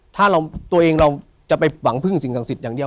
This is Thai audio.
ถ้าเราตัวเองเราจะไปหวังพึ่งสิ่งศักดิ์สิทธิ์อย่างเดียว